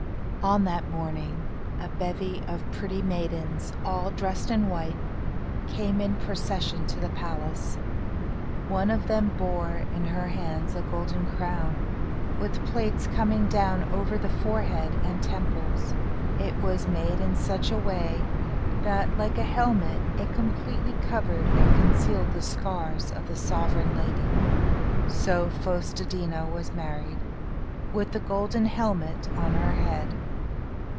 On that morning, a bevy of pretty maidens, all dressed in white, came in procession to the palace. One of them bore in her hands a golden crown, with plates coming down over the forehead and temples. It was made in such a way that, like a helmet, it completely covered and concealed the scars of the sovereign lady. So Fos te dí na was married, with the golden helmet on her head.